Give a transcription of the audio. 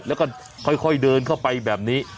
แล้วก็ค่อยเดินเข้าไปแบบนี้